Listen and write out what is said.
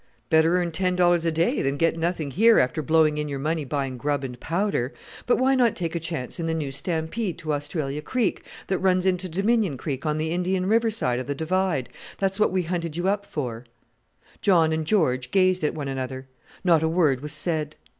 "Better earn ten dollars a day than get nothing here after blowing in your money buying grub and powder; but why not take a chance in the new stampede to Australia Creek, that runs into Dominion Creek on the Indian River side of the Divide? That's what we hunted you up for." John and George gazed at one another. Not a word was said.